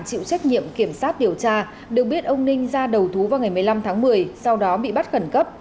chịu trách nhiệm kiểm sát điều tra được biết ông ninh ra đầu thú vào ngày một mươi năm tháng một mươi sau đó bị bắt khẩn cấp